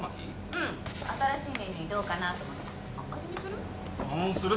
うん新しいメニューにどうかなと思って味見する？